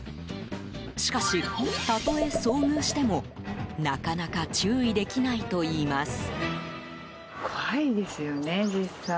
しかし、たとえ遭遇してもなかなか注意できないといいます。